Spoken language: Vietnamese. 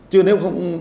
chứ nếu không